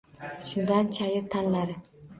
Shundan chayir tanlari.